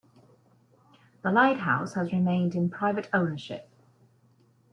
The Lighthouse has remained in private ownership.